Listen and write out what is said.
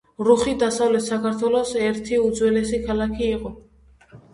რუხი დასავლეთ საქართველოს ერთი უძველესი ქალაქი იყო.